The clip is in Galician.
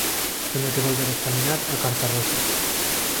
Teño que volver examinar a carta rosa.